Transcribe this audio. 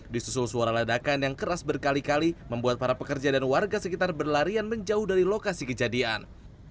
disusul suara ledakan yang keras berkali kali membuat para pekerja dan warga sekitar berlarian menjauh dari lokasi kejadian